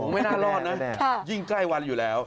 ไม่น่ารอดนะยิ่งใกล้วันอยู่แล้ว